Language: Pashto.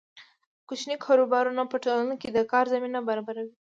کوچني کاروبارونه په ټولنه کې د کار زمینه برابروي.